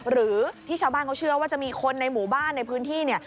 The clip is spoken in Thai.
หรือที่ชาวบ้านเขาเชื่อว่าจะมีคนในหมู่บ้านในพื้นที่เนี่ย